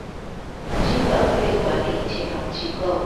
金管會管理金融機構